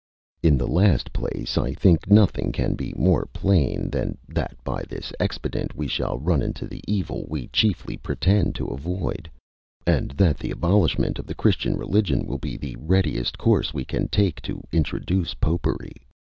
In the last place, I think nothing can be more plain, than that by this expedient we shall run into the evil we chiefly pretend to avoid; and that the abolishment of the Christian religion will be the readiest course we can take to introduce Popery.